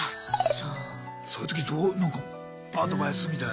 そういうときどうなんかアドバイスみたいな。